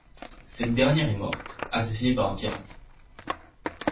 Cette dernière est morte assassinée par un pirate.